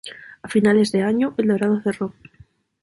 A finales de año, El Dorado cerró.